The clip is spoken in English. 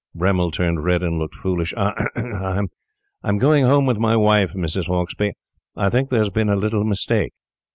Bremmil turned red and looked foolish. "Ah h'm! I'm going home with my wife, Mrs. Hauksbee. I think there has been a little mistake."